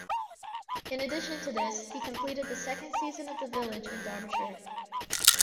In addition to this, he completed the second season of "The Village" in Derbyshire.